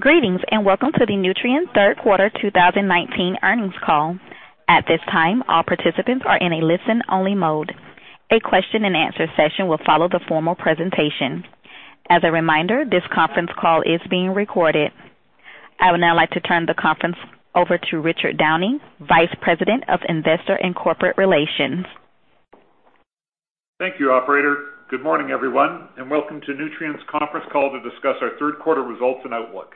Greetings, welcome to the Nutrien Third Quarter 2019 earnings call. At this time, all participants are in a listen-only mode. A question and answer session will follow the formal presentation. As a reminder, this conference call is being recorded. I would now like to turn the conference over to Richard Downey, Vice President of Investor and Corporate Relations. Thank you, operator. Good morning, everyone, welcome to Nutrien's conference call to discuss our third quarter results and outlook.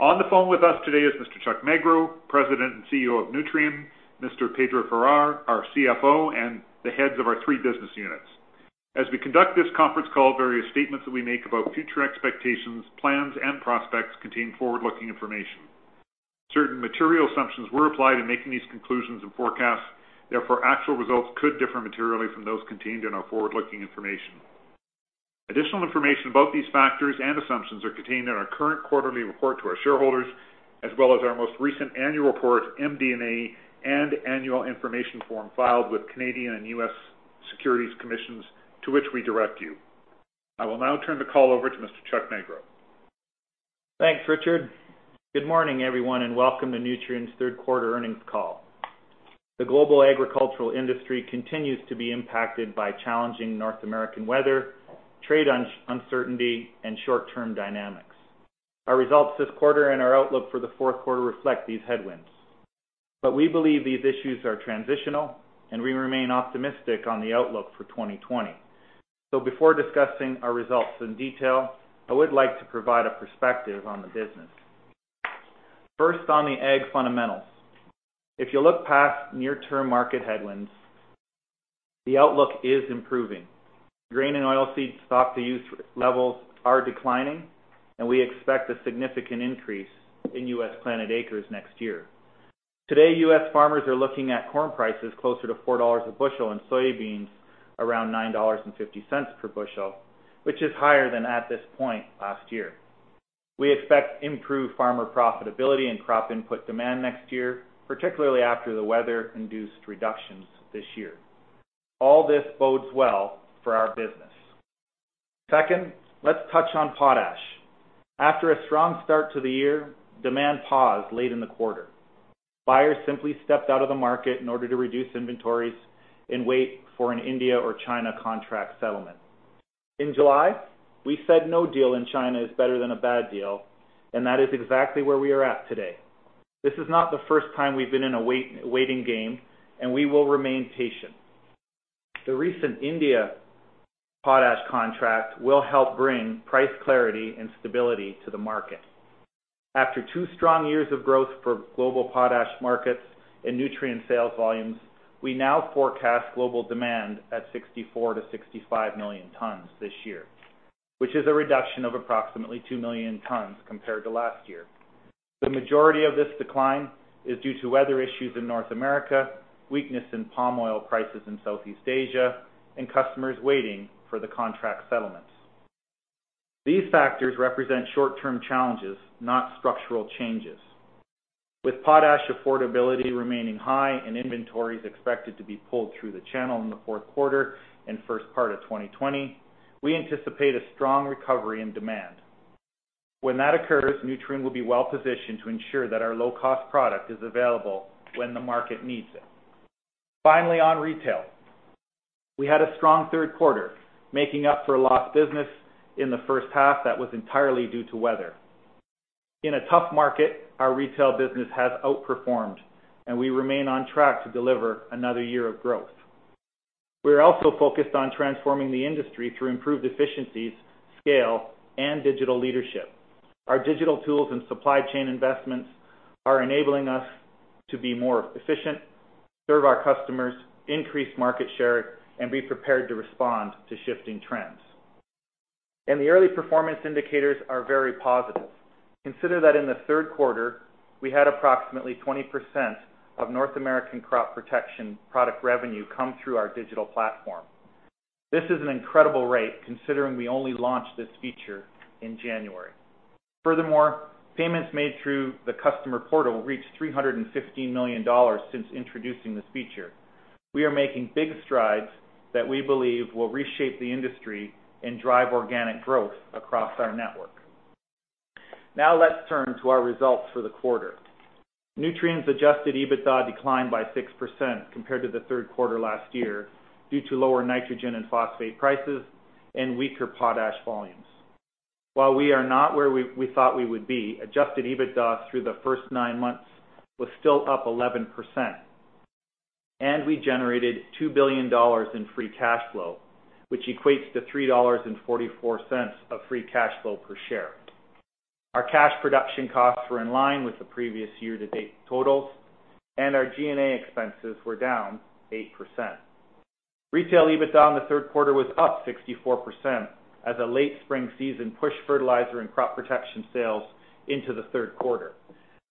On the phone with us today is Mr. Chuck Magro, President and CEO of Nutrien, Mr. Pedro Farah, our CFO, and the heads of our three business units. As we conduct this conference call, various statements that we make about future expectations, plans, and prospects contain forward-looking information. Certain material assumptions were applied in making these conclusions and forecasts, therefore, actual results could differ materially from those contained in our forward-looking information. Additional information about these factors and assumptions are contained in our current quarterly report to our shareholders, as well as our most recent annual report, MD&A, and annual information form filed with Canadian and U.S. Securities Commissions, to which we direct you. I will now turn the call over to Mr. Chuck Magro. Thanks, Richard. Good morning, everyone, and welcome to Nutrien's third quarter earnings call. The global agricultural industry continues to be impacted by challenging North American weather, trade uncertainty and short-term dynamics. Our results this quarter and our outlook for the fourth quarter reflect these headwinds. We believe these issues are transitional, and we remain optimistic on the outlook for 2020. Before discussing our results in detail, I would like to provide a perspective on the business. First, on the ag fundamentals. If you look past near-term market headwinds, the outlook is improving. Grain and oil seed stock-to-use levels are declining, and we expect a significant increase in U.S. planted acres next year. Today, U.S. farmers are looking at corn prices closer to $4 a bushel and soybeans around $9.50 per bushel, which is higher than at this point last year. We expect improved farmer profitability and crop input demand next year, particularly after the weather-induced reductions this year. All this bodes well for our business. Second, let's touch on potash. After a strong start to the year, demand paused late in the quarter. Buyers simply stepped out of the market in order to reduce inventories and wait for an India or China contract settlement. In July, we said no deal in China is better than a bad deal, and that is exactly where we are at today. This is not the first time we've been in a waiting game, and we will remain patient. The recent India potash contract will help bring price clarity and stability to the market. After two strong years of growth for global potash markets and Nutrien sales volumes, we now forecast global demand at 64 million-65 million tons this year, which is a reduction of approximately 2 million tons compared to last year. The majority of this decline is due to weather issues in North America, weakness in palm oil prices in Southeast Asia, and customers waiting for the contract settlements. These factors represent short-term challenges, not structural changes. With potash affordability remaining high and inventories expected to be pulled through the channel in the fourth quarter and first part of 2020, we anticipate a strong recovery in demand. When that occurs, Nutrien will be well-positioned to ensure that our low-cost product is available when the market needs it. Finally, on retail, we had a strong third quarter, making up for lost business in the first half that was entirely due to weather. In a tough market, our retail business has outperformed, and we remain on track to deliver another year of growth. We are also focused on transforming the industry through improved efficiencies, scale, and digital leadership. Our digital tools and supply chain investments are enabling us to be more efficient, serve our customers, increase market share, and be prepared to respond to shifting trends. The early performance indicators are very positive. Consider that in the third quarter, we had approximately 20% of North American crop protection product revenue come through our digital platform. This is an incredible rate considering we only launched this feature in January. Furthermore, payments made through the customer portal reached $315 million since introducing this feature. We are making big strides that we believe will reshape the industry and drive organic growth across our network. Now let's turn to our results for the quarter. Nutrien's adjusted EBITDA declined by 6% compared to the third quarter last year due to lower nitrogen and phosphate prices and weaker potash volumes. While we are not where we thought we would be, adjusted EBITDA through the first nine months was still up 11%. We generated $2 billion in free cash flow, which equates to $3.44 of free cash flow per share. Our cash production costs were in line with the previous year-to-date totals, and our G&A expenses were down 8%. Retail EBITDA in the third quarter was up 64% as a late spring season pushed fertilizer and crop protection sales into the third quarter.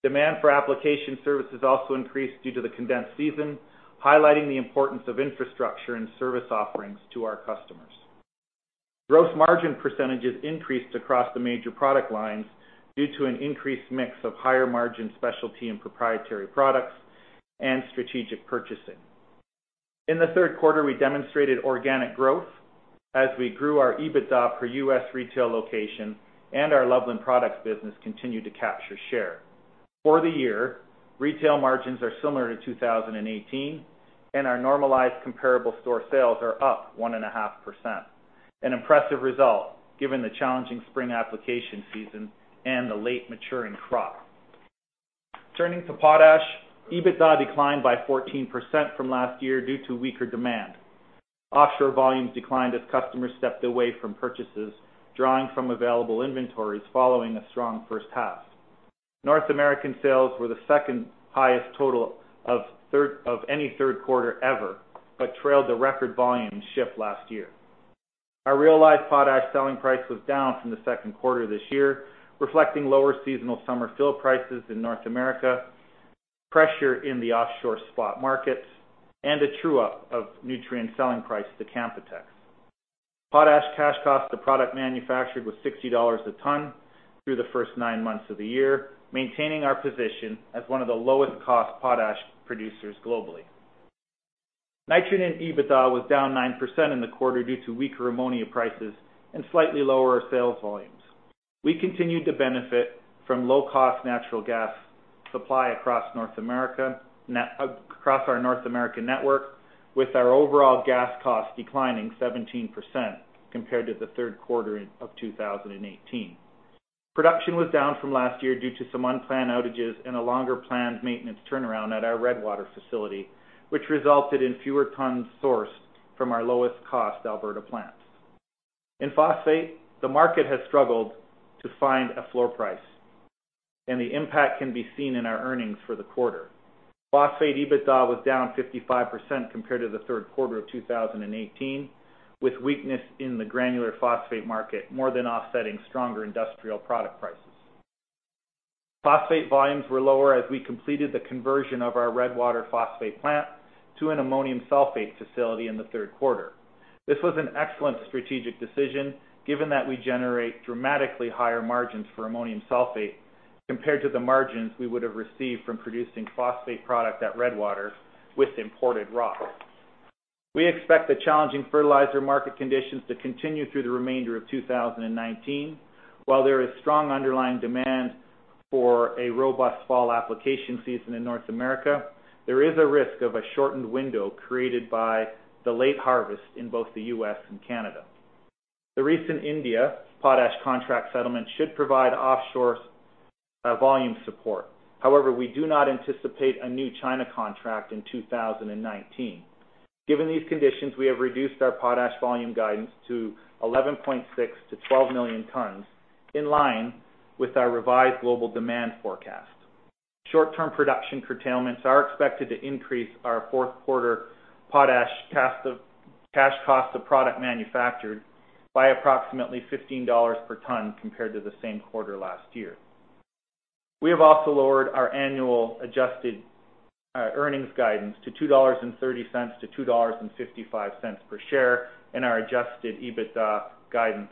Demand for application services also increased due to the condensed season, highlighting the importance of infrastructure and service offerings to our customers. Gross margin percentages increased across the major product lines due to an increased mix of higher margin specialty and proprietary products and strategic purchasing. In the third quarter, we demonstrated organic growth as we grew our EBITDA per U.S. retail location and our Loveland Products business continued to capture share. For the year, retail margins are similar to 2018, and our normalized comparable store sales are up 1.5%, an impressive result given the challenging spring application season and the late maturing crop. Turning to potash, EBITDA declined by 14% from last year due to weaker demand. Offshore volumes declined as customers stepped away from purchases, drawing from available inventories following a strong first half. North American sales were the second-highest total of any third quarter ever, but trailed the record volume shipped last year. Our realized potash selling price was down from the second quarter this year, reflecting lower seasonal summer fill prices in North America, pressure in the offshore spot markets, and a true-up of Nutrien selling price to Canpotex. Potash cash cost to product manufactured was $60 a ton through the first nine months of the year, maintaining our position as one of the lowest-cost potash producers globally. Nitrogen EBITDA was down 9% in the quarter due to weaker ammonia prices and slightly lower sales volumes. We continued to benefit from low-cost natural gas supply across our North American network, with our overall gas costs declining 17% compared to the third quarter of 2018. Production was down from last year due to some unplanned outages and a longer-planned maintenance turnaround at our Redwater facility, which resulted in fewer tons sourced from our lowest-cost Alberta plants. In phosphate, the market has struggled to find a floor price, and the impact can be seen in our earnings for the quarter. phosphate EBITDA was down 55% compared to the third quarter of 2018, with weakness in the granular phosphate market more than offsetting stronger industrial product prices. phosphate volumes were lower as we completed the conversion of our Redwater phosphate plant to an ammonium sulfate facility in the third quarter. This was an excellent strategic decision, given that we generate dramatically higher margins for ammonium sulfate compared to the margins we would have received from producing phosphate product at Redwater with imported rock. We expect the challenging fertilizer market conditions to continue through the remainder of 2019. While there is strong underlying demand for a robust fall application season in North America, there is a risk of a shortened window created by the late harvest in both the U.S. and Canada. The recent India potash contract settlement should provide offshore volume support. We do not anticipate a new China contract in 2019. Given these conditions, we have reduced our potash volume guidance to 11.6 million-12 million tonnes, in line with our revised global demand forecast. Short-term production curtailments are expected to increase our fourth-quarter potash cash cost of product manufactured by approximately $15 per tonne compared to the same quarter last year. We have also lowered our annual adjusted earnings guidance to $2.30-$2.55 per share and our adjusted EBITDA guidance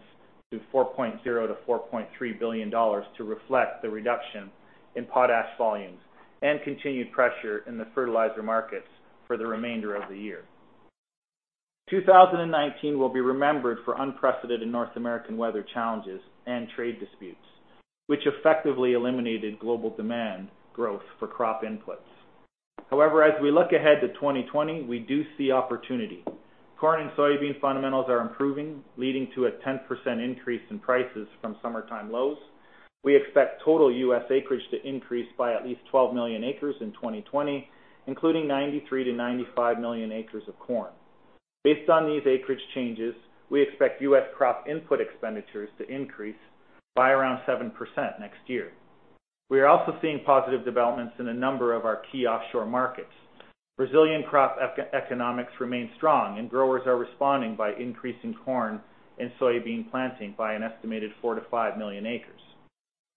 to $4.0 billion-$4.3 billion to reflect the reduction in potash volumes and continued pressure in the fertilizer markets for the remainder of the year. 2019 will be remembered for unprecedented North American weather challenges and trade disputes, which effectively eliminated global demand growth for crop inputs. As we look ahead to 2020, we do see opportunity. Corn and soybean fundamentals are improving, leading to a 10% increase in prices from summertime lows. We expect total U.S. acreage to increase by at least 12 million acres in 2020, including 93 million-95 million acres of corn. Based on these acreage changes, we expect U.S. crop input expenditures to increase by around 7% next year. We are also seeing positive developments in a number of our key offshore markets. Brazilian crop economics remain strong, and growers are responding by increasing corn and soybean planting by an estimated four to five million acres.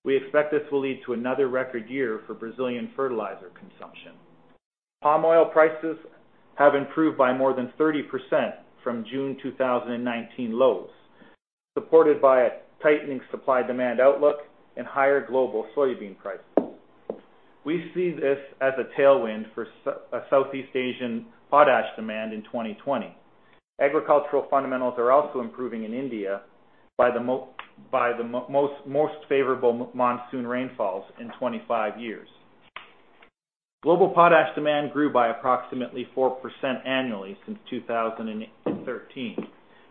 We expect this will lead to another record year for Brazilian fertilizer consumption. palm oil prices have improved by more than 30% from June 2019 lows, supported by a tightening supply-demand outlook and higher global soybean prices. We see this as a tailwind for Southeast Asian potash demand in 2020. Agricultural fundamentals are also improving in India by the most favorable monsoon rainfalls in 25 years. Global potash demand grew by approximately 4% annually since 2013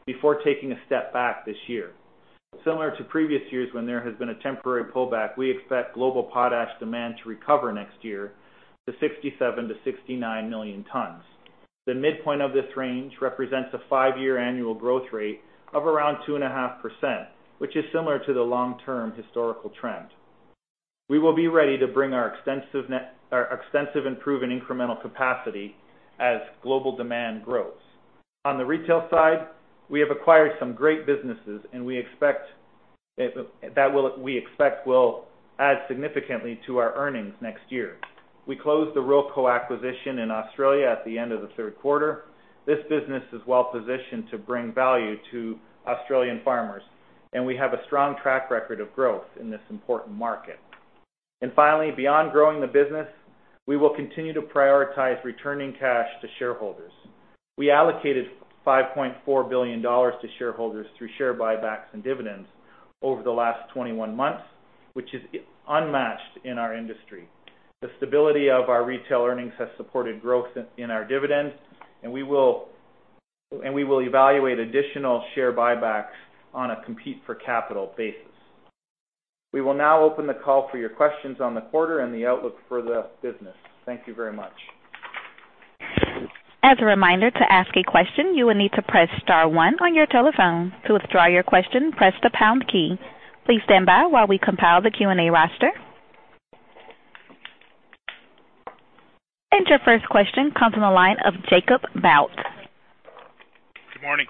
before taking a step back this year. Similar to previous years when there has been a temporary pullback, we expect global potash demand to recover next year to 67 million tonnes-69 million tonnes. The midpoint of this range represents a five-year annual growth rate of around 2.5%, which is similar to the long-term historical trend. We will be ready to bring our extensive and proven incremental capacity as global demand grows. On the retail side, we have acquired some great businesses, and we expect that will add significantly to our earnings next year. We closed the Ruralco acquisition in Australia at the end of the third quarter. This business is well positioned to bring value to Australian farmers, and we have a strong track record of growth in this important market. Finally, beyond growing the business, we will continue to prioritize returning cash to shareholders. We allocated $5.4 billion to shareholders through share buybacks and dividends over the last 21 months, which is unmatched in our industry. The stability of our retail earnings has supported growth in our dividends, and we will evaluate additional share buybacks on a compete for capital basis. We will now open the call for your questions on the quarter and the outlook for the business. Thank you very much. As a reminder, to ask a question, you will need to press star one on your telephone. To withdraw your question, press the pound key. Please stand by while we compile the Q&A roster. Your first question comes from the line of Jacob Bout. Good morning. Good morning.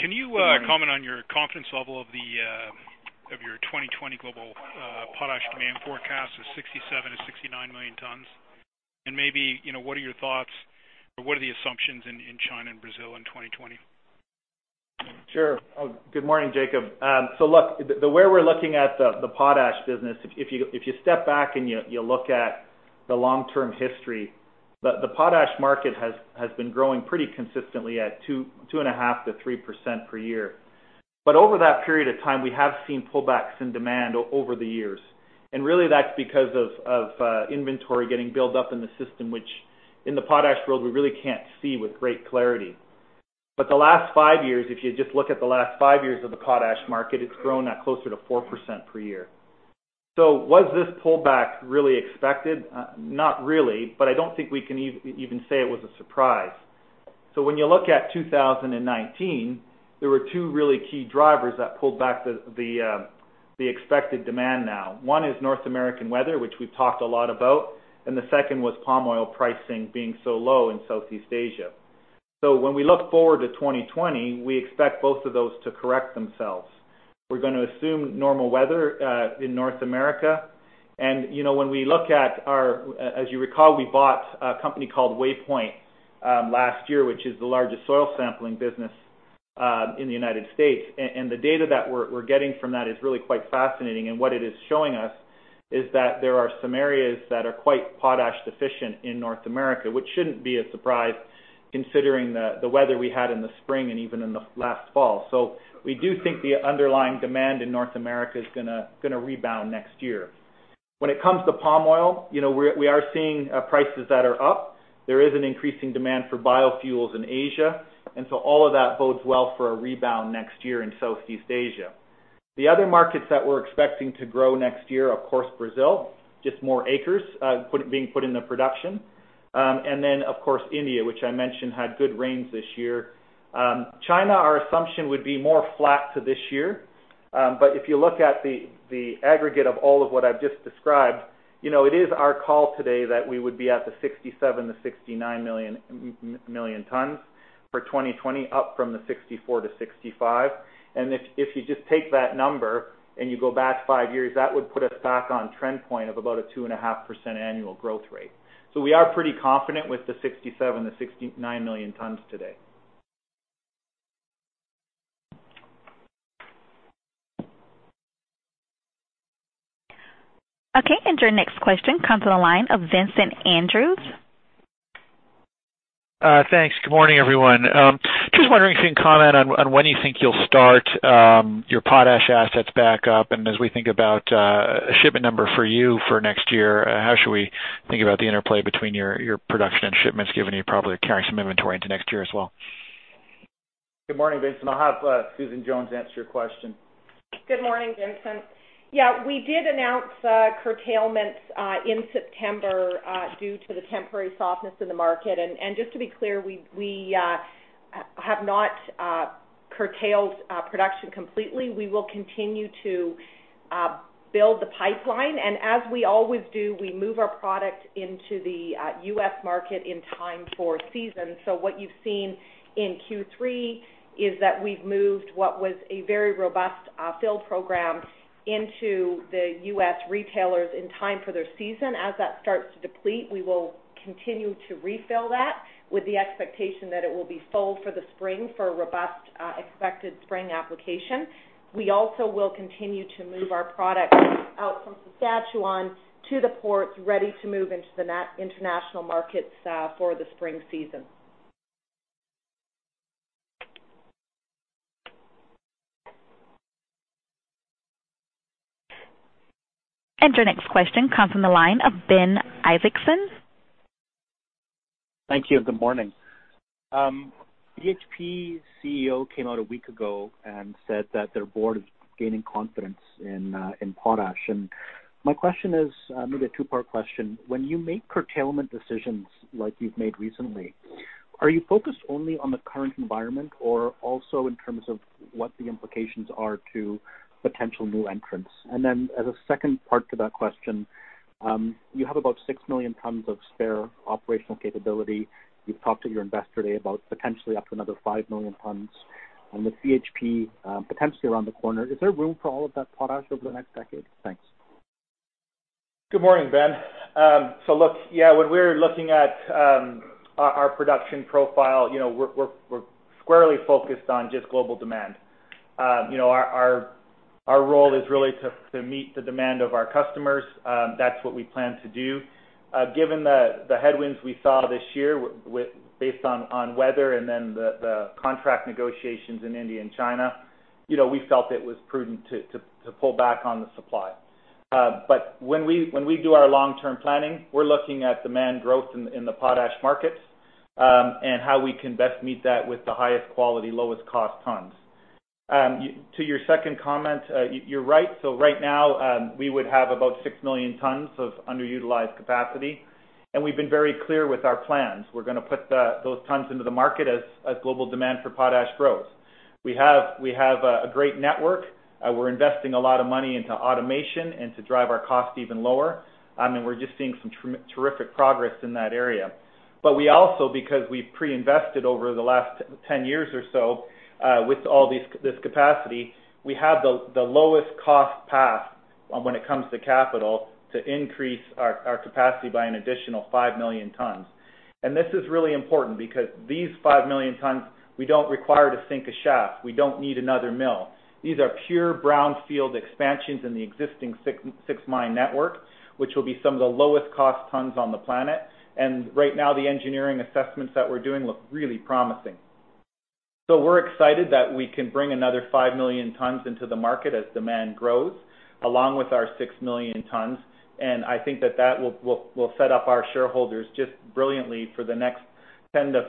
Can you comment on your confidence level of your 2020 global potash demand forecast of 67 to 69 million tons? Maybe, what are your thoughts or what are the assumptions in China and Brazil in 2020? Sure. Good morning, Jacob. Look, the way we're looking at the potash business, if you step back and you look at the long-term history, the potash market has been growing pretty consistently at 2.5%-3% per year. Over that period of time, we have seen pullbacks in demand over the years. Really that's because of inventory getting built up in the system, which in the potash world, we really can't see with great clarity. The last five years, if you just look at the last five years of the potash market, it's grown at closer to 4% per year. Was this pullback really expected? Not really, but I don't think we can even say it was a surprise. When you look at 2019, there were two really key drivers that pulled back the expected demand now. One is North American weather, which we've talked a lot about, and the second was palm oil pricing being so low in Southeast Asia. When we look forward to 2020, we expect both of those to correct themselves. We're going to assume normal weather in North America. As you recall, we bought a company called Waypoint last year, which is the largest soil sampling business in the United States. The data that we're getting from that is really quite fascinating. What it is showing us is that there are some areas that are quite potash deficient in North America, which shouldn't be a surprise considering the weather we had in the spring and even in the last fall. We do think the underlying demand in North America is going to rebound next year. When it comes to palm oil, we are seeing prices that are up. There is an increasing demand for biofuels in Asia. All of that bodes well for a rebound next year in Southeast Asia. The other markets that we're expecting to grow next year, of course, Brazil, just more acres being put into production. Then, of course, India, which I mentioned had good rains this year. China, our assumption would be more flat to this year. If you look at the aggregate of all of what I've just described, it is our call today that we would be at the 67 million-69 million tons for 2020, up from the 64-65. If you just take that number and you go back five years, that would put us back on trend point of about a 2.5% annual growth rate. We are pretty confident with the 67-69 million tons today. Okay. Your next question comes from the line of Vincent Andrews. Thanks. Good morning, everyone. Just wondering if you can comment on when you think you'll start your potash assets back up. As we think about a shipment number for you for next year, how should we think about the interplay between your production and shipments, given you're probably carrying some inventory into next year as well? Good morning, Vincent. I'll have Susan Jones answer your question. Good morning, Vincent. Yeah, we did announce curtailments in September due to the temporary softness in the market. Just to be clear, we have not curtailed production completely. We will continue to build the pipeline, and as we always do, we move our product into the U.S. market in time for season. What you've seen in Q3 is that we've moved what was a very robust fill program into the U.S. retailers in time for their season. As that starts to deplete, we will continue to refill that with the expectation that it will be sold for the spring for a robust expected spring application. We also will continue to move our product out from Saskatchewan to the ports, ready to move into the international markets for the spring season. Your next question comes from the line of Ben Isaacson. Thank you, and good morning. BHP CEO came out a week ago and said that their board is gaining confidence in potash. My question is maybe a two-part question. When you make curtailment decisions like you've made recently, are you focused only on the current environment or also in terms of what the implications are to potential new entrants? As a second part to that question, you have about six million tons of spare operational capability. You've talked at your Investor Day about potentially up to another five million tons, and with BHP potentially around the corner, is there room for all of that potash over the next decade? Thanks. Good morning, Ben. When we're looking at our production profile, we're squarely focused on just global demand. Our role is really to meet the demand of our customers. That's what we plan to do. Given the headwinds we saw this year based on weather and then the contract negotiations in India and China, we felt it was prudent to pull back on the supply. When we do our long-term planning, we're looking at demand growth in the potash markets, and how we can best meet that with the highest quality, lowest cost tons. To your second comment, you're right. Right now, we would have about 6 million tons of underutilized capacity, and we've been very clear with our plans. We're going to put those tons into the market as global demand for potash grows. We have a great network. We're investing a lot of money into automation and to drive our cost even lower. We're just seeing some terrific progress in that area. We also, because we've pre-invested over the last 10 years or so with all this capacity, we have the lowest cost path when it comes to capital to increase our capacity by an additional 5 million tons. This is really important because these 5 million tons, we don't require to sink a shaft. We don't need another mill. These are pure brownfield expansions in the existing 6-mine network, which will be some of the lowest cost tons on the planet. Right now, the engineering assessments that we're doing look really promising. We're excited that we can bring another 5 million tons into the market as demand grows, along with our 6 million tons. I think that will set up our shareholders just brilliantly for the next 10-15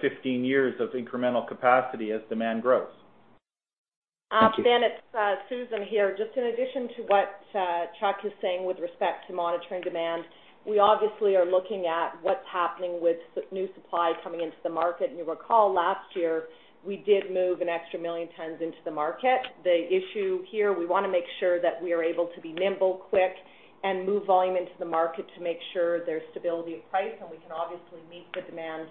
years of incremental capacity as demand grows. Thank you. Ben, it's Susan here. Just in addition to what Chuck is saying with respect to monitoring demand, we obviously are looking at what's happening with new supply coming into the market. You'll recall last year, we did move an extra 1 million tons into the market. The issue here, we want to make sure that we are able to be nimble, quick, and move volume into the market to make sure there's stability of price, and we can obviously meet the demand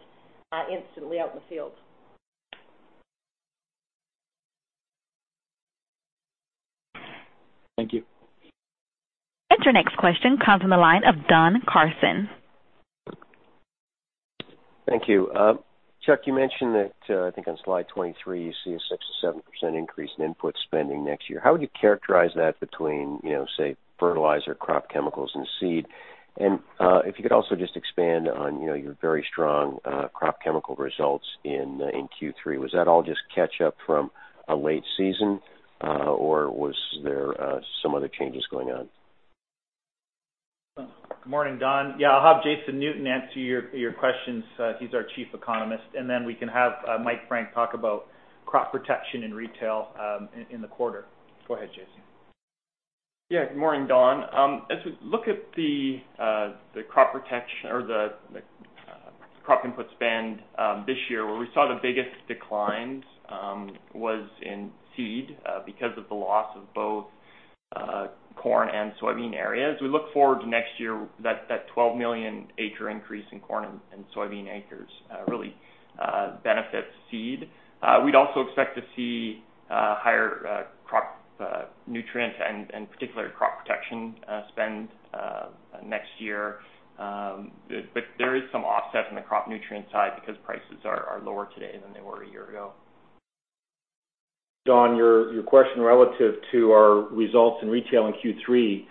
instantly out in the field. Thank you. Your next question comes on the line of Don Carson. Thank you. Chuck, you mentioned that, I think on slide 23, you see a 6%-7% increase in input spending next year. How would you characterize that between, say, fertilizer, crop chemicals, and seed? If you could also just expand on your very strong crop chemical results in Q3. Was that all just catch up from a late season, or was there some other changes going on? Good morning, Don. Yeah, I'll have Jason Newton answer your questions. He's our chief economist. We can have Mike Frank talk about crop protection and retail in the quarter. Go ahead, Jason. Yeah. Good morning, Don. As we look at the crop input spend this year, where we saw the biggest declines was in seed because of the loss of both corn and soybean areas. We look forward to next year, that 12 million acre increase in corn and soybean acres really benefits seed. We'd also expect to see higher crop nutrients and particular crop protection spend next year. There is some offset in the crop nutrient side because prices are lower today than they were a year ago. Don, your question relative to our results in retail in Q3.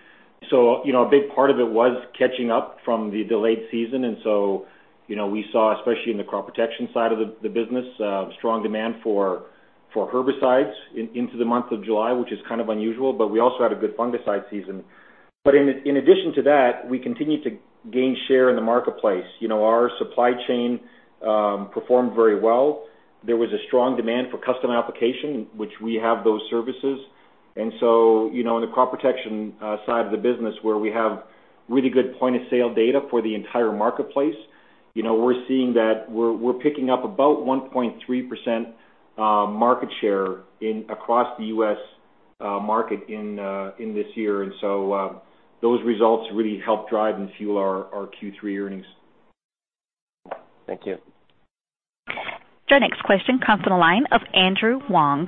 A big part of it was catching up from the delayed season, and so we saw, especially in the crop protection side of the business, strong demand for herbicides into the month of July, which is kind of unusual. We also had a good fungicide season. In addition to that, we continued to gain share in the marketplace. Our supply chain performed very well. There was a strong demand for custom application, which we have those services. In the crop protection side of the business where we have really good point-of-sale data for the entire marketplace, we're seeing that we're picking up about 1.3% market share across the U.S. market in this year. Those results really help drive and fuel our Q3 earnings. Thank you. Your next question comes from the line of Andrew Wong.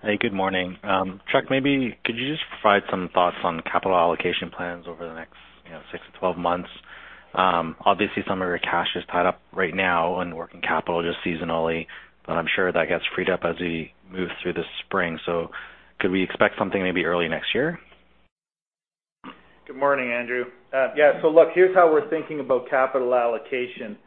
Hey, good morning. Chuck, maybe could you just provide some thoughts on capital allocation plans over the next six to 12 months? Obviously, some of your cash is tied up right now in working capital, just seasonally, but I'm sure that gets freed up as we move through the spring. Could we expect something maybe early next year? Good morning, Andrew. Look, here's how we're thinking about capital allocation.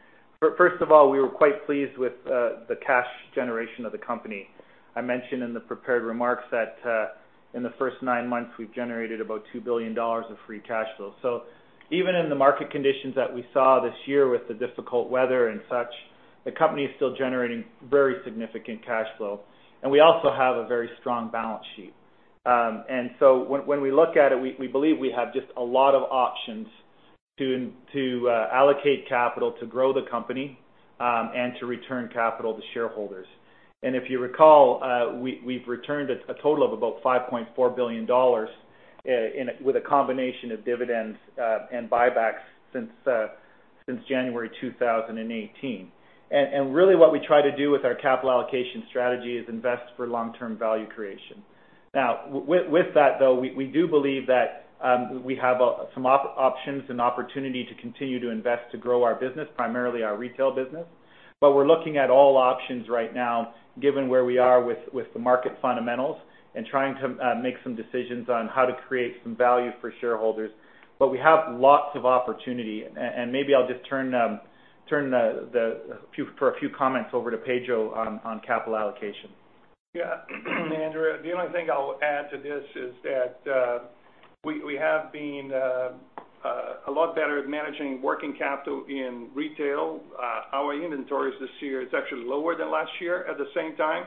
First of all, we were quite pleased with the cash generation of the company. I mentioned in the prepared remarks that in the first nine months, we've generated about $2 billion of free cash flow. Even in the market conditions that we saw this year with the difficult weather and such, the company is still generating very significant cash flow. We also have a very strong balance sheet. When we look at it, we believe we have just a lot of options to allocate capital to grow the company and to return capital to shareholders. If you recall, we've returned a total of about $5.4 billion with a combination of dividends and buybacks since January 2018. Really what we try to do with our capital allocation strategy is invest for long-term value creation. Now with that, though, we do believe that we have some options and opportunity to continue to invest to grow our business, primarily our retail business. We're looking at all options right now, given where we are with the market fundamentals and trying to make some decisions on how to create some value for shareholders. We have lots of opportunity, and maybe I'll just turn for a few comments over to Pedro on capital allocation. Yeah. Andrew, the only thing I'll add to this is that we have been a lot better at managing working capital in retail. Our inventories this year, it's actually lower than last year at the same time,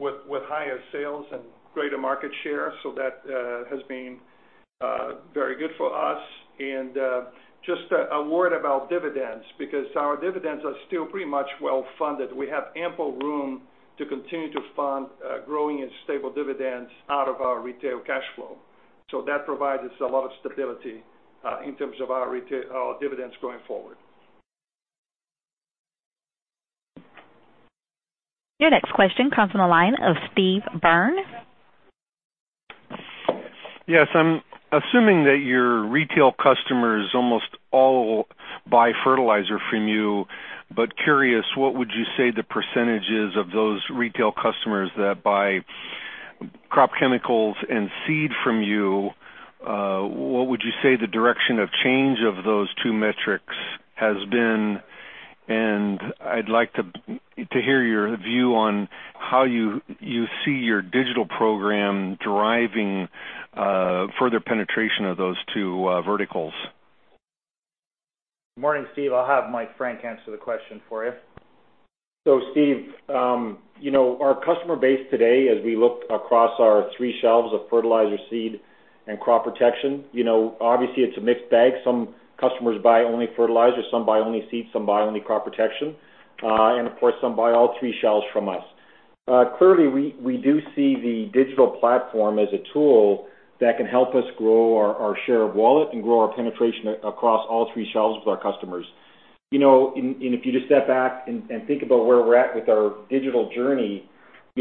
with higher sales and greater market share, that has been very good for us. Just a word about dividends, because our dividends are still pretty much well-funded. We have ample room to continue to fund growing and stable dividends out of our retail cash flow. That provides us a lot of stability in terms of our dividends going forward. Your next question comes from the line of Steve Byrne. Yes. I'm assuming that your retail customers almost all buy fertilizer from you. Curious, what would you say the % is of those retail customers that buy crop protection and seed from you? What would you say the direction of change of those two metrics has been? I'd like to hear your view on how you see your digital program driving further penetration of those two verticals. Morning, Steve. I'll have Mike Frank answer the question for you. Steve, our customer base today as we look across our three shelves of fertilizer, seed, and crop protection, obviously it's a mixed bag. Some customers buy only fertilizer, some buy only seed, some buy only crop protection. Of course, some buy all three shelves from us. Clearly, we do see the digital platform as a tool that can help us grow our share of wallet and grow our penetration across all three shelves with our customers. If you just step back and think about where we're at with our digital journey,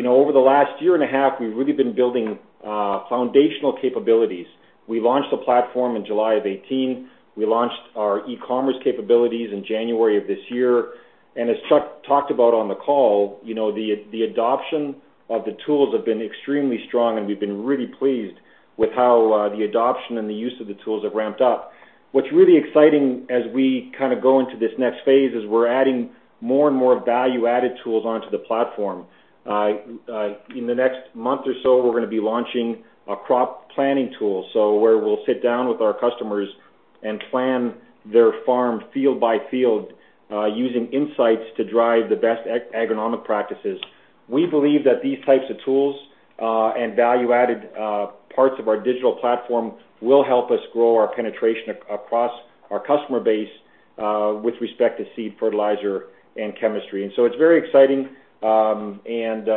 over the last year and a half, we've really been building foundational capabilities. We launched the platform in July of 2018. We launched our e-commerce capabilities in January of this year. As Chuck talked about on the call, the adoption of the tools have been extremely strong, and we've been really pleased with how the adoption and the use of the tools have ramped up. What's really exciting as we go into this next phase is we're adding more and more value-added tools onto the platform. In the next month or so, we're going to be launching a crop planning tool. Where we'll sit down with our customers and plan their farm field by field, using insights to drive the best agronomic practices. We believe that these types of tools, and value-added parts of our digital platform will help us grow our penetration across our customer base with respect to seed, fertilizer, and chemistry. It's very exciting, and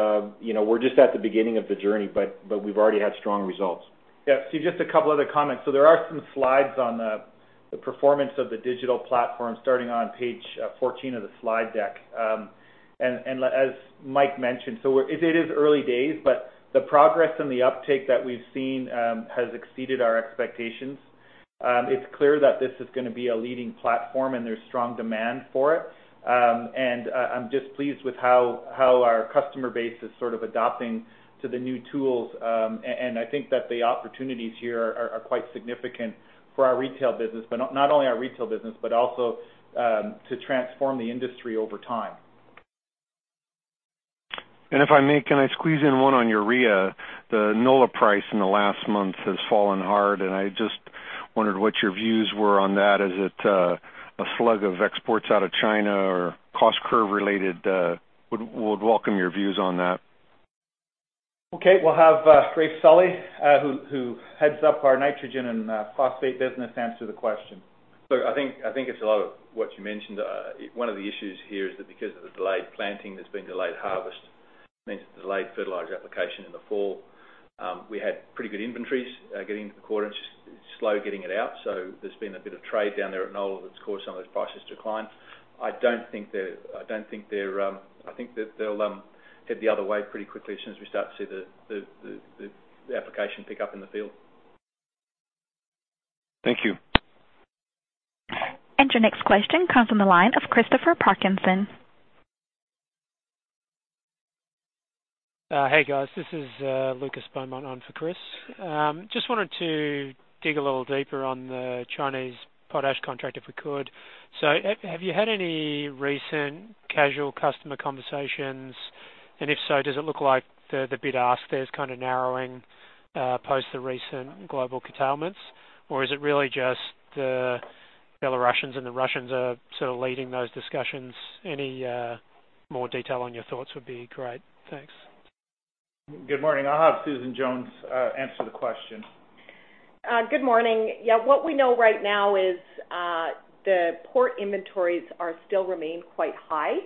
we're just at the beginning of the journey, but we've already had strong results. Yeah. Steve, just a couple other comments. There are some slides on the performance of the digital platform starting on page 14 of the slide deck. As Mike mentioned, it is early days, but the progress and the uptake that we've seen has exceeded our expectations. It's clear that this is going to be a leading platform, and there's strong demand for it. I'm just pleased with how our customer base is sort of adopting to the new tools. I think that the opportunities here are quite significant for our retail business, but not only our retail business, but also to transform the industry over time. If I may, can I squeeze in one on urea? The NOLA price in the last month has fallen hard. I just wondered what your views were on that. Is it a slug of exports out of China or cost curve related? Would welcome your views on that. Okay. We'll have Raef Sully, who heads up our nitrogen and phosphate business, answer the question. I think it's a lot of what you mentioned. One of the issues here is that because of the delayed planting, there's been delayed harvest, means delayed fertilizer application in the fall. We had pretty good inventories getting into the quarter, and just slow getting it out. There's been a bit of trade down there at NOLA that's caused some of those prices to decline. I think that they'll head the other way pretty quickly as soon as we start to see the application pick up in the field. Thank you. Your next question comes from the line of Chris Parkinson. Hey, guys. This is Lucas Beaumont on for Chris. Just wanted to dig a little deeper on the Chinese potash contract, if we could. Have you had any recent casual customer conversations? If so, does it look like the bid-ask there is kind of narrowing, post the recent global curtailments, or is it really just the Belarusians and the Russians are sort of leading those discussions? Any more detail on your thoughts would be great. Thanks. Good morning. I'll have Susan Jones answer the question. Good morning. Yeah, what we know right now is the port inventories still remain quite high.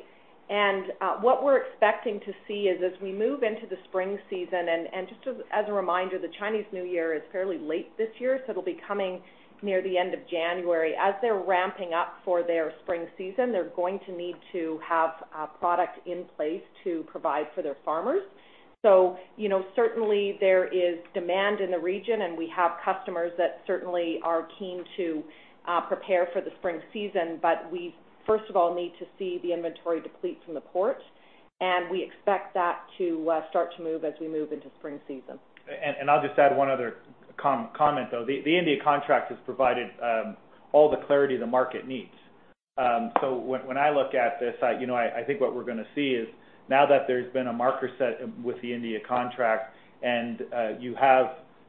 What we're expecting to see is as we move into the spring season, and just as a reminder, the Chinese New Year is fairly late this year, so it'll be coming near the end of January. As they're ramping up for their spring season, they're going to need to have product in place to provide for their farmers. Certainly, there is demand in the region, and we have customers that certainly are keen to prepare for the spring season, but we first of all need to see the inventory deplete from the port, and we expect that to start to move as we move into spring season. I'll just add one other comment, though. The India contract has provided all the clarity the market needs. When I look at this, I think what we're going to see is now that there's been a marker set with the India contract and you have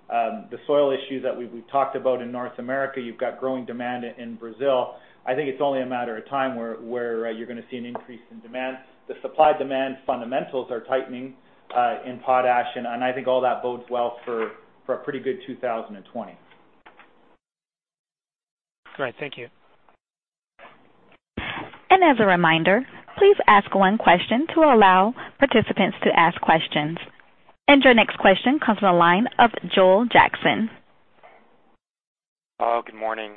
the soil issue that we've talked about in North America, you've got growing demand in Brazil. I think it's only a matter of time where you're going to see an increase in demand. The supply-demand fundamentals are tightening in potash, and I think all that bodes well for a pretty good 2020. Great. Thank you. As a reminder, please ask one question to allow participants to ask questions. Your next question comes from the line of Joel Jackson. Good morning.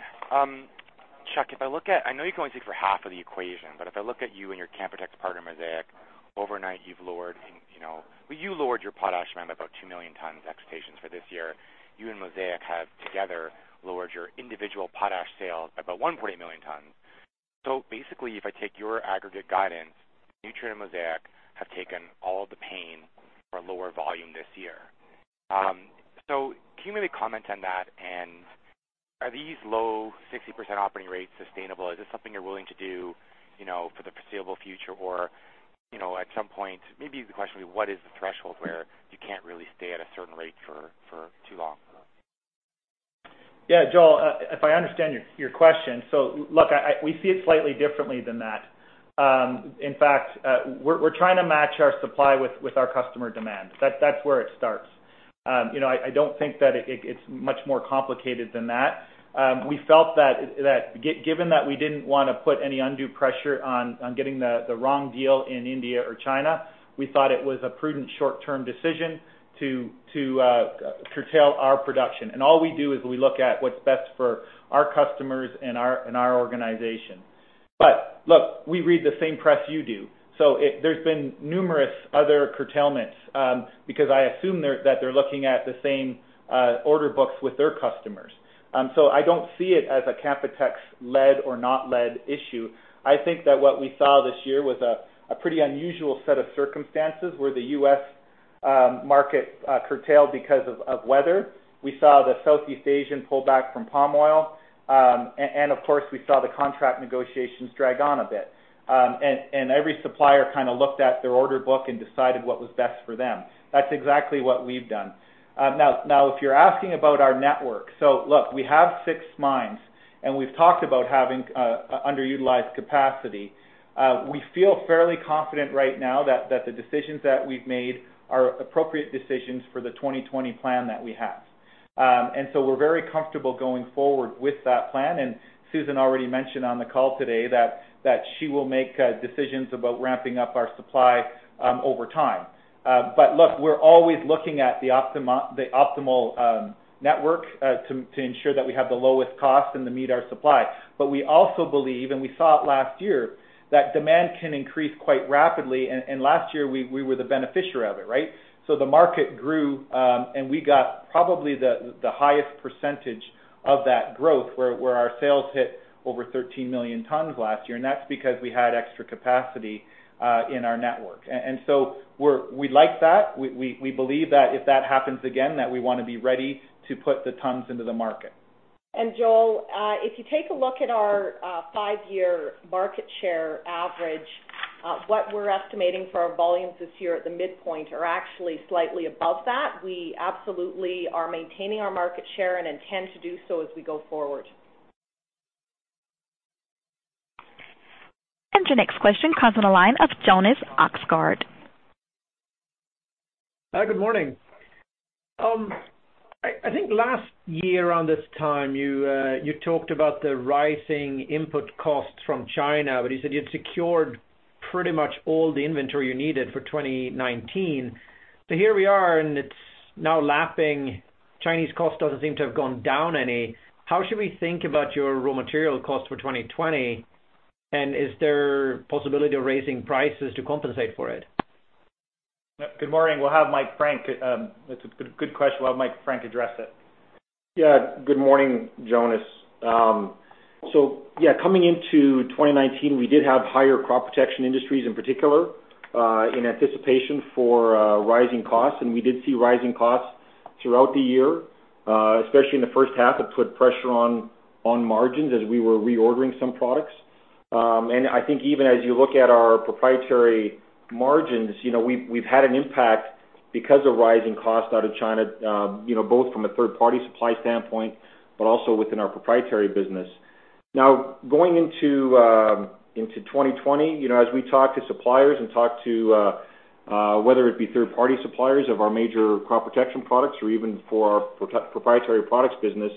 Chuck, I know you can only speak for half of the equation, but if I look at you and your Canpotex partner, Mosaic, overnight you've lowered your potash demand by about 2 million tons expectations for this year. You and Mosaic have together lowered your individual potash sales by about 1.8 million tons. Basically, if I take your aggregate guidance, Nutrien and Mosaic have taken all the pain for lower volume this year. Can you maybe comment on that, and are these low 60% operating rates sustainable? Is this something you're willing to do for the foreseeable future? At some point, maybe the question would be, what is the threshold where you can't really stay at a certain rate for too long? Yeah, Joel, if I understand your question, look, we see it slightly differently than that. In fact, we're trying to match our supply with our customer demand. That's where it starts. I don't think that it's much more complicated than that. We felt that given that we didn't want to put any undue pressure on getting the wrong deal in India or China, we thought it was a prudent short-term decision to curtail our production. All we do is we look at what's best for our customers and our organization. Look, we read the same press you do. There's been numerous other curtailments, because I assume that they're looking at the same order books with their customers. I don't see it as a Canpotex-led or not led issue. I think that what we saw this year was a pretty unusual set of circumstances where the U.S. market curtailed because of weather. We saw the Southeast Asian pull back from palm oil. Of course, we saw the contract negotiations drag on a bit. Every supplier kind of looked at their order book and decided what was best for them. That's exactly what we've done. If you're asking about our network, so look, we have six mines, and we've talked about having underutilized capacity. We feel fairly confident right now that the decisions that we've made are appropriate decisions for the 2020 plan that we have. We're very comfortable going forward with that plan, and Susan already mentioned on the call today that she will make decisions about ramping up our supply over time. Look, we're always looking at the optimal network to ensure that we have the lowest cost and to meet our supply. We also believe, and we saw it last year, that demand can increase quite rapidly, and last year we were the beneficiary of it, right? The market grew, and we got probably the highest percentage of that growth where our sales hit over 13 million tons last year, and that's because we had extra capacity in our network. We like that. We believe that if that happens again, that we want to be ready to put the tons into the market. Joel, if you take a look at our five-year market share average, what we're estimating for our volumes this year at the midpoint are actually slightly above that. We absolutely are maintaining our market share and intend to do so as we go forward. Your next question comes on the line of Jonas Oxgaard. Good morning. I think last year around this time, you talked about the rising input costs from China, but you said you'd secured pretty much all the inventory you needed for 2019. Here we are, and it's now lapping. Chinese cost doesn't seem to have gone down any. How should we think about your raw material cost for 2020? Is there possibility of raising prices to compensate for it? Good morning. It's a good question. We'll have Mike Frank address it. Yeah. Good morning, Jonas. Yeah, coming into 2019, we did have higher crop protection inventories in particular, in anticipation for rising costs, and we did see rising costs throughout the year, especially in the first half. It put pressure on margins as we were reordering some products. I think even as you look at our proprietary margins, we've had an impact because of rising costs out of China both from a third-party supply standpoint, but also within our proprietary business. Going into 2020, as we talk to suppliers and talk to, whether it be third party suppliers of our major crop protection products or even for our proprietary products business,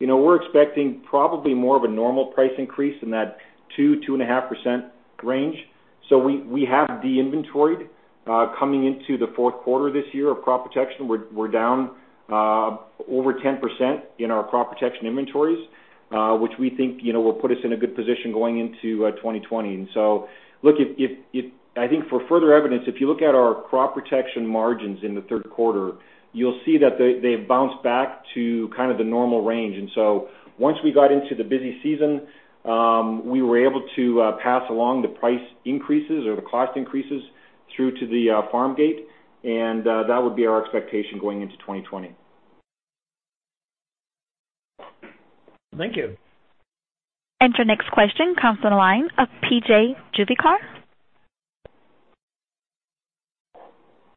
we're expecting probably more of a normal price increase in that 2%, 2.5% range. We have de-inventoried, coming into the fourth quarter this year of crop protection. We're down over 10% in our crop protection inventories, which we think will put us in a good position going into 2020. I think for further evidence, if you look at our crop protection margins in the third quarter, you'll see that they've bounced back to kind of the normal range. Once we got into the busy season, we were able to pass along the price increases or the cost increases through to the farm gate, and that would be our expectation going into 2020. Thank you. Your next question comes on the line of P.J. Juvekar.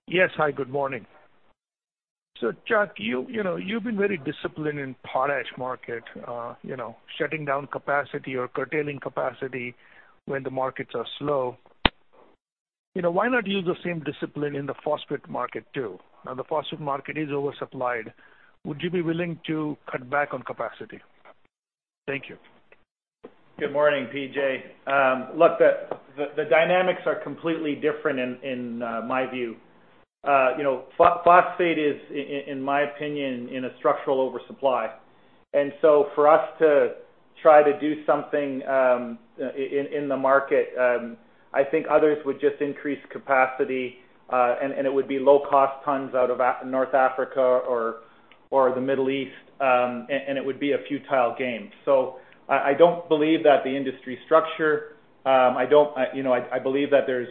Yes. Hi, good morning. Chuck, you've been very disciplined in potash market, shutting down capacity or curtailing capacity when the markets are slow. Why not use the same discipline in the phosphate market too? The phosphate market is oversupplied. Would you be willing to cut back on capacity? Thank you. Good morning, P.J. Look, the dynamics are completely different in my view. Phosphate is, in my opinion, in a structural oversupply. For us to try to do something in the market, I think others would just increase capacity, and it would be low cost tons out of North Africa or the Middle East. It would be a futile game. I don't believe that the industry structure. I believe that there's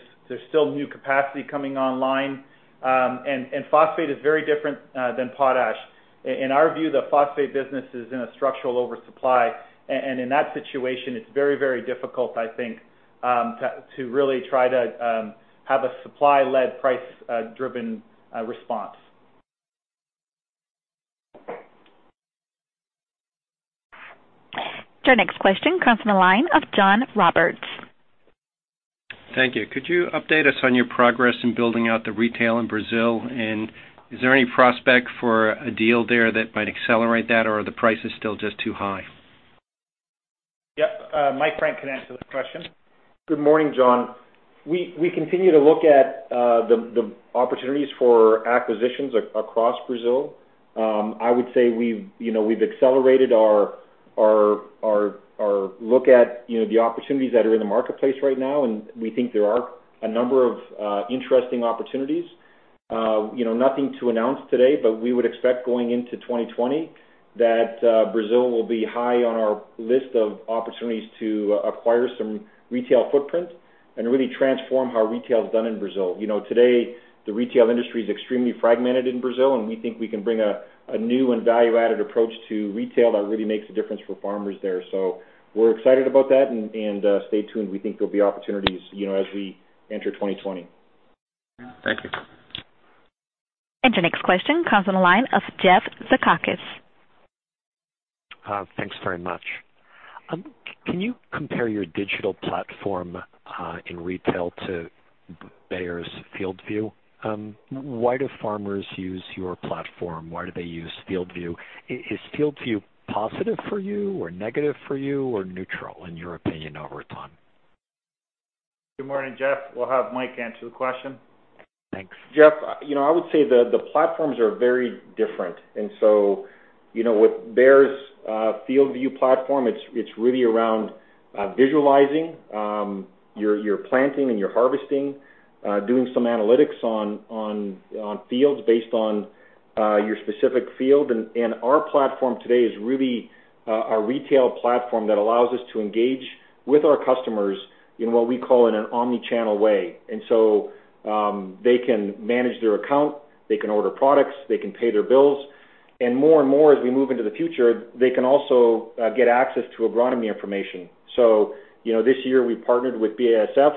still new capacity coming online. Phosphate is very different than potash. In our view, the phosphate business is in a structural oversupply, and in that situation, it's very difficult, I think, to really try to have a supply-led, price-driven response. Your next question comes on the line of John Roberts. Thank you. Could you update us on your progress in building out the retail in Brazil? Is there any prospect for a deal there that might accelerate that, or are the prices still just too high? Yep. Mike Frank can answer this question. Good morning, John. We continue to look at the opportunities for acquisitions across Brazil. I would say we've accelerated our look at the opportunities that are in the marketplace right now, and we think there are a number of interesting opportunities. Nothing to announce today, but we would expect going into 2020 that Brazil will be high on our list of opportunities to acquire some retail footprint and really transform how retail is done in Brazil. Today, the retail industry is extremely fragmented in Brazil, and we think we can bring a new and value-added approach to retail that really makes a difference for farmers there. We're excited about that. Stay tuned. We think there'll be opportunities as we enter 2020. Thank you. Your next question comes on the line of Jeffrey Zekauskas. Thanks very much. Can you compare your digital platform in retail to Bayer's FieldView? Why do farmers use your platform? Why do they use FieldView? Is FieldView positive for you or negative for you, or neutral, in your opinion, over time? Good morning, Jeff. We'll have Mike answer the question. Thanks. Jeff, I would say the platforms are very different. With Bayer's FieldView platform, it's really around visualizing your planting and your harvesting, doing some analytics on fields based on your specific field. Our platform today is really a retail platform that allows us to engage with our customers in what we call in an omnichannel way. They can manage their account, they can order products, they can pay their bills. More and more as we move into the future, they can also get access to agronomy information. This year we partnered with BASF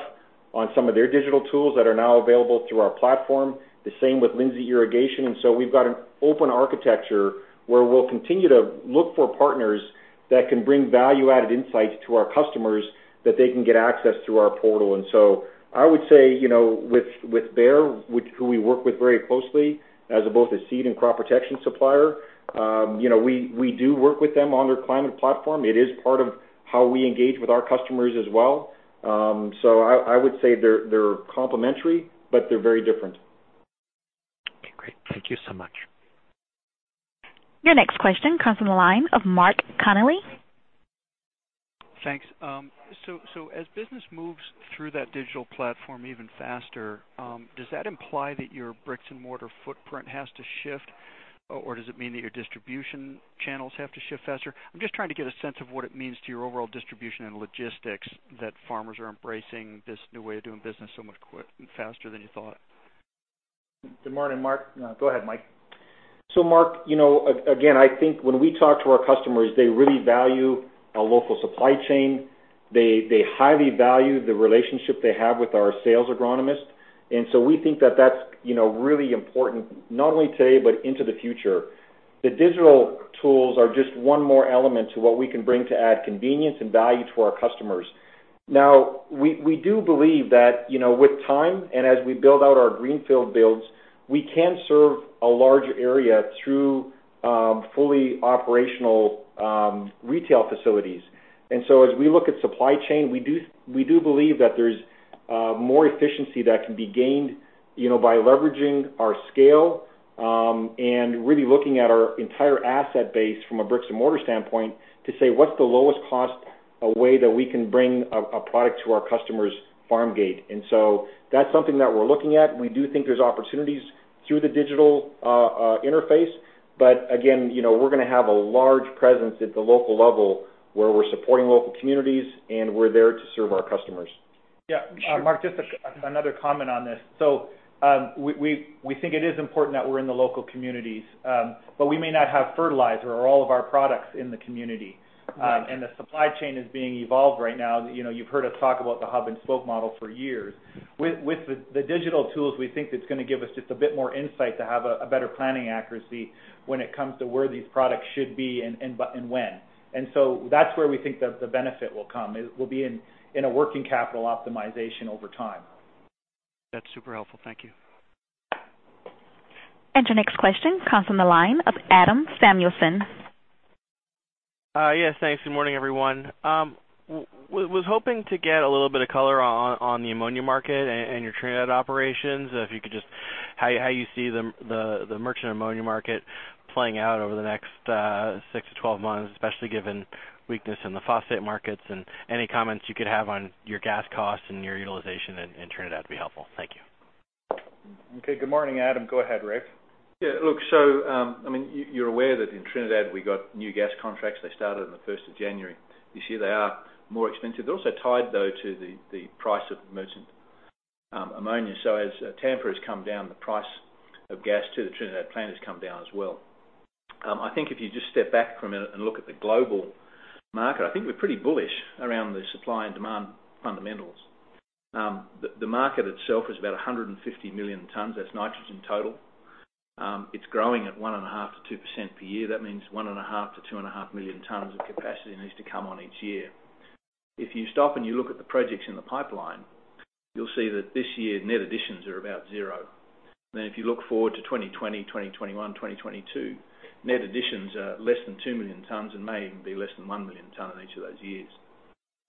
on some of their digital tools that are now available through our platform, the same with Lindsay Corporation. We've got an open architecture where we'll continue to look for partners that can bring value-added insights to our customers that they can get access through our portal. I would say, with Bayer, who we work with very closely as both a seed and crop protection supplier, we do work with them on their climate platform. It is part of how we engage with our customers as well. I would say they're complementary, but they're very different. Okay, great. Thank you so much. Your next question comes on the line of Mark Connelly. Thanks. As business moves through that digital platform even faster, does that imply that your bricks and mortar footprint has to shift? Does it mean that your distribution channels have to shift faster? I'm just trying to get a sense of what it means to your overall distribution and logistics that farmers are embracing this new way of doing business so much faster than you thought. Good morning, Mark. Go ahead, Mike. Mark, again, I think when we talk to our customers, they really value a local supply chain. They highly value the relationship they have with our sales agronomists. We think that that's really important, not only today but into the future. The digital tools are just one more element to what we can bring to add convenience and value to our customers. We do believe that, with time and as we build out our greenfield builds, we can serve a larger area through fully operational retail facilities. As we look at supply chain, we do believe that there's more efficiency that can be gained by leveraging our scale, and really looking at our entire asset base from a bricks and mortar standpoint to say, "What's the lowest cost way that we can bring a product to our customer's farm gate?" That's something that we're looking at. We do think there's opportunities through the digital interface. Again, we're going to have a large presence at the local level where we're supporting local communities, and we're there to serve our customers. Yeah. Mark, just another comment on this. We think it is important that we're in the local communities, but we may not have fertilizer or all of our products in the community. Right. The supply chain is being evolved right now. You've heard us talk about the hub and spoke model for years. With the digital tools, we think it's going to give us just a bit more insight to have a better planning accuracy when it comes to where these products should be and when. That's where we think that the benefit will come, will be in a working capital optimization over time. That's super helpful. Thank you. Your next question comes from the line of Adam Samuelson. Yes, thanks. Good morning, everyone. Was hoping to get a little bit of color on the ammonia market and your Trinidad operations, if you could just, how you see the merchant ammonia market playing out over the next six to 12 months, especially given weakness in the phosphate markets, and any comments you could have on your gas costs and your utilization in Trinidad would be helpful. Thank you. Okay. Good morning, Adam. Go ahead, Raef. Yeah, look, you're aware that in Trinidad we got new gas contracts. They started on the 1st of January. You see they are more expensive. They're also tied, though, to the price of merchant ammonia. As Tampa has come down, the price of gas to the Trinidad plant has come down as well. I think if you just step back for a minute and look at the global market, I think we're pretty bullish around the supply and demand fundamentals. The market itself is about 150 million tons, that's nitrogen total. It's growing at 1.5% to 2% per year. That means 1.5 to 2.5 million tons of capacity needs to come on each year. If you stop and you look at the projects in the pipeline, you'll see that this year, net additions are about zero. If you look forward to 2020, 2021, 2022, net additions are less than 2 million tons and may even be less than 1 million tons in each of those years.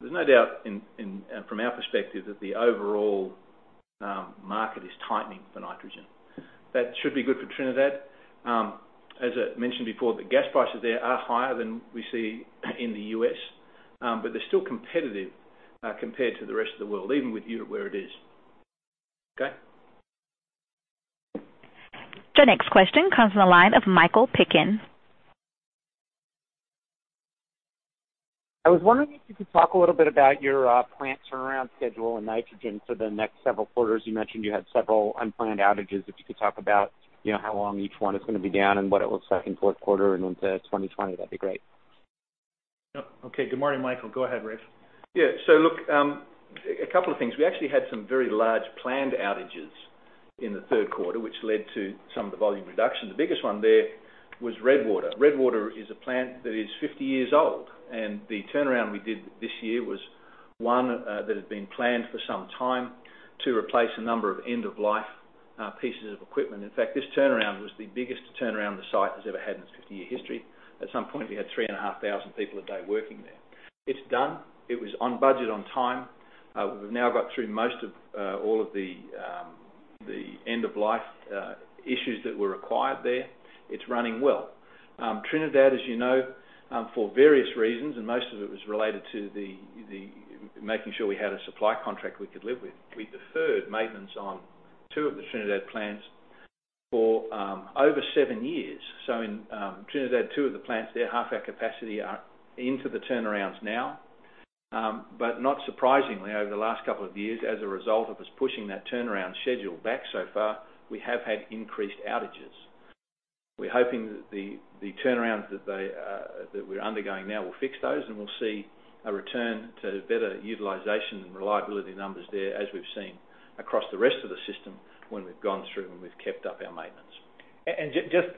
There's no doubt from our perspective that the overall market is tightening for nitrogen. That should be good for Trinidad. I mentioned before, the gas prices there are higher than we see in the U.S., but they're still competitive compared to the rest of the world, even with urea where it is. Okay? The next question comes from the line of Michael Piken. I was wondering if you could talk a little bit about your plant turnaround schedule and nitrogen for the next several quarters. You mentioned you had several unplanned outages. If you could talk about how long each one is going to be down and what it looks like in fourth quarter and into 2020, that'd be great. Okay. Good morning, Michael. Go ahead, Raef. Yeah. Look, a couple of things. We actually had some very large planned outages in the third quarter, which led to some of the volume reduction. The biggest one there was Redwater. Redwater is a plant that is 50 years old, and the turnaround we did this year was one that had been planned for some time to replace a number of end-of-life pieces of equipment. In fact, this turnaround was the biggest turnaround the site has ever had in its 50-year history. At some point, we had 3,500 people a day working there. It's done. It was on budget, on time. We've now got through most of all of the end-of-life issues that were required there. It's running well. Trinidad, as you know, for various reasons, most of it was related to making sure we had a supply contract we could live with. We deferred maintenance on two of the Trinidad plants for over seven years. In Trinidad, two of the plants there, half our capacity are into the turnarounds now. Not surprisingly, over the last couple of years, as a result of us pushing that turnaround schedule back so far, we have had increased outages. We're hoping that the turnarounds that we're undergoing now will fix those, and we'll see a return to better utilization and reliability numbers there as we've seen across the rest of the system when we've gone through and we've kept up our maintenance. Just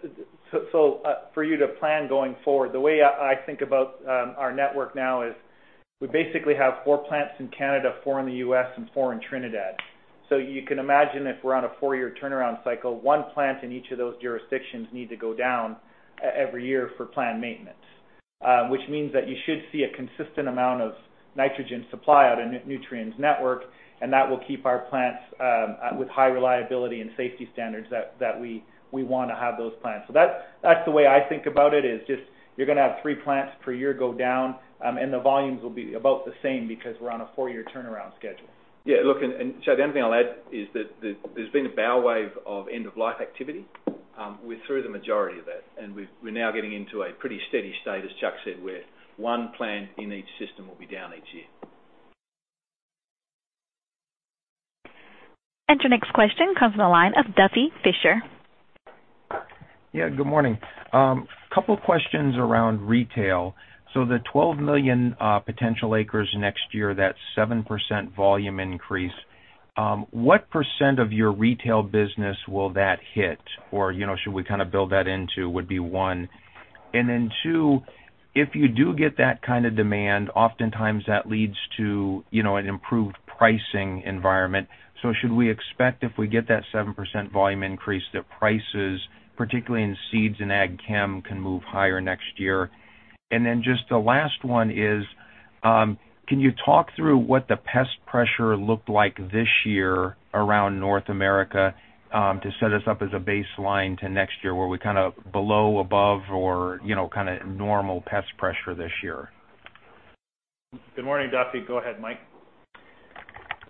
so for you to plan going forward, the way I think about our network now is we basically have four plants in Canada, four in the U.S., and four in Trinidad. You can imagine if we're on a four-year turnaround cycle, one plant in each of those jurisdictions needs to go down every year for planned maintenance. That means you should see a consistent amount of nitrogen supply out in Nutrien's network, and that will keep our plants with high reliability and safety standards that we want to have those plants. That's the way I think about it, is just you're going to have three plants per year go down, and the volumes will be about the same because we're on a four-year turnaround schedule. Look, the only thing I'll add is that there's been a bow wave of end-of-life activity. We're through the majority of that, and we're now getting into a pretty steady state, as Chuck said, where one plant in each system will be down each year. Your next question comes from the line of Duffy Fischer. Yeah, good morning. Couple questions around retail. The 12 million potential acres next year, that 7% volume increase, what percent of your retail business will that hit, or should we kind of build that into? That would be one. Two, if you do get that kind of demand, oftentimes that leads to an improved pricing environment. Should we expect if we get that 7% volume increase, that prices, particularly in seeds and ag chem, can move higher next year? Just the last one is, can you talk through what the pest pressure looked like this year around North America to set us up as a baseline to next year? Were we kind of below, above or kind of normal pest pressure this year? Good morning, Duffy. Go ahead, Mike.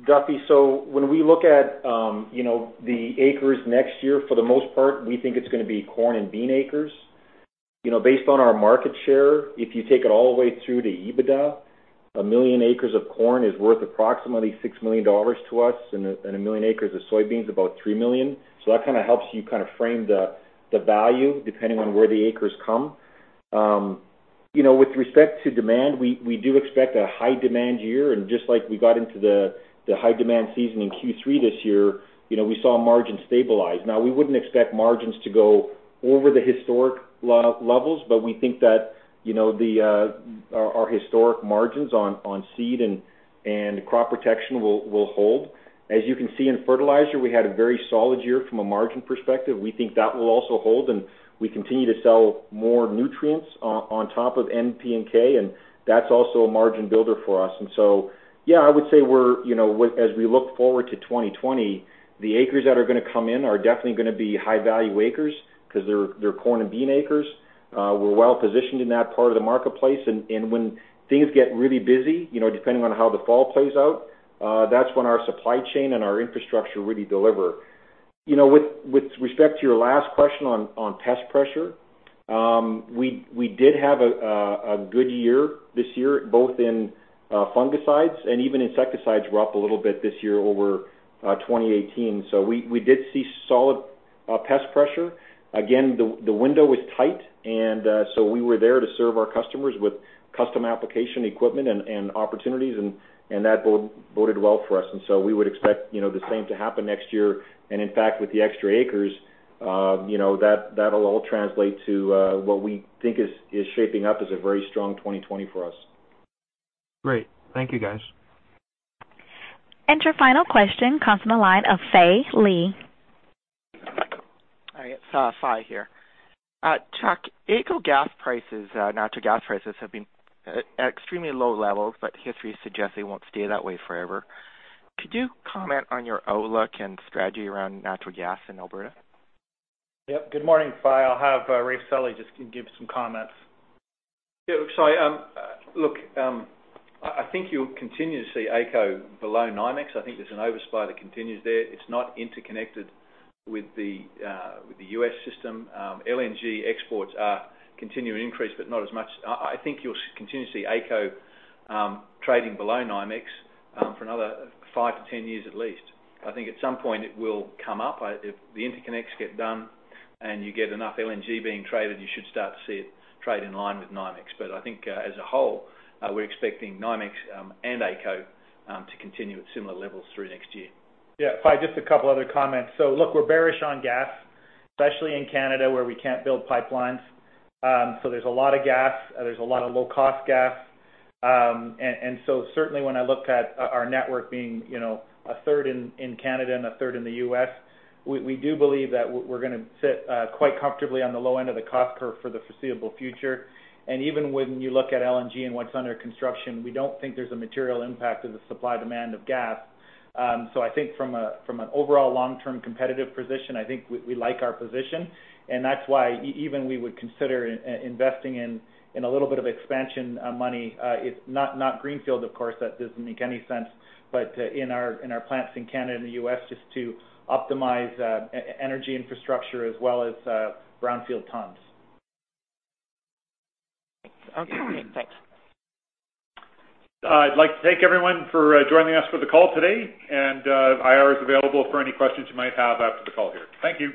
Duffy, when we look at the acres next year, for the most part, we think it's going to be corn and bean acres. Based on our market share, if you take it all the way through to EBITDA, 1 million acres of corn is worth approximately $6 million to us, and 1 million acres of soybeans, about $3 million. That kind of helps you frame the value depending on where the acres come. With respect to demand, we do expect a high-demand year, and just like we got into the high-demand season in Q3 this year, we saw margins stabilize. Now, we wouldn't expect margins to go over the historic levels, but we think that our historic margins on seed and crop protection will hold. As you can see in fertilizer, we had a very solid year from a margin perspective. We think that will also hold, and we continue to sell more nutrients on top of N, P, and K, and that's also a margin builder for us. Yeah, I would say as we look forward to 2020, the acres that are going to come in are definitely going to be high-value acres because they're corn and bean acres. We're well-positioned in that part of the marketplace. When things get really busy, depending on how the fall plays out, that's when our supply chain and our infrastructure really deliver. With respect to your last question on pest pressure, we did have a good year this year, both in fungicides and even insecticides were up a little bit this year over 2018. We did see solid pest pressure. Again, the window was tight, and so we were there to serve our customers with custom application equipment and opportunities, and that boded well for us. We would expect the same to happen next year. In fact, with the extra acres, that'll all translate to what we think is shaping up as a very strong 2020 for us. Great. Thank you guys. Your final question comes from the line of Fay Li. Hi, it's Fay here. Chuck, AECO gas prices, natural gas prices, have been at extremely low levels. History suggests they won't stay that way forever. Could you comment on your outlook and strategy around natural gas in Alberta? Yep. Good morning, Fay. I'll have Raef Sully just give some comments. Yeah. Sorry. Look, I think you'll continue to see AECO below NYMEX. I think there's an oversupply that continues there. It's not interconnected with the U.S. system. LNG exports are continuing to increase, not as much. I think you'll continue to see AECO trading below NYMEX for another five to 10 years at least. I think at some point it will come up. If the interconnects get done, you get enough LNG being traded, you should start to see it trade in line with NYMEX. I think, as a whole, we're expecting NYMEX and AECO to continue at similar levels through next year. Yeah. Fay, just a couple other comments. Look, we're bearish on gas, especially in Canada where we can't build pipelines. There's a lot of gas, there's a lot of low-cost gas. Certainly when I look at our network being a third in Canada and a third in the U.S., we do believe that we're going to sit quite comfortably on the low end of the cost curve for the foreseeable future. Even when you look at LNG and what's under construction, we don't think there's a material impact of the supply-demand of gas. I think from an overall long-term competitive position, I think we like our position, and that's why even we would consider investing in a little bit of expansion money. It's not greenfield, of course, that doesn't make any sense, but in our plants in Canada and the U.S., just to optimize energy infrastructure as well as brownfield tons. Okay, thanks. I'd like to thank everyone for joining us for the call today. IR is available for any questions you might have after the call here. Thank you.